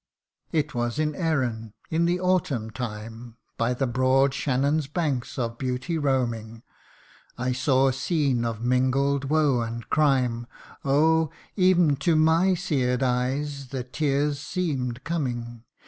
" It was in Erin in the autumn time, By the broad Shannon's banks of beauty roaming ; I saw a scene of mingled woe and crime Oh ! ev'n to my sear'd eyes the tears seem'd coming